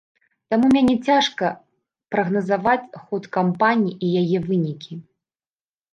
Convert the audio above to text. Таму мяне цяжка прагназаваць ход кампаніі і яе вынікі.